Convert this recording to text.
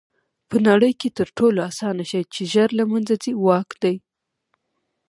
په نړۍ کښي تر ټولو آسانه شى چي ژر له منځه ځي؛ واک دئ.